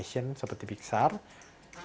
atau film yang seperti marvel ya heavy visual effect